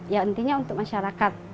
ya intinya untuk masyarakat